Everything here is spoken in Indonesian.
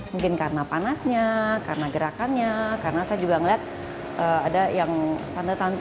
mungkin karena panasnya karena gerakannya karena saya juga melihat ada yang tanda tanda